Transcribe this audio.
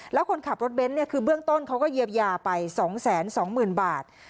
แล้วคนขับรถเบนท์คือเบื้องต้นเขาก็เยียวยาไป๒๒๐๐๐บาท